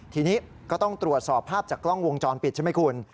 ทีนี้ก็ต้องตรวจสอบภาพจากกล้องวงจรปิดใช่ไหมคุณ